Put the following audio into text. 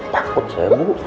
takut saya bu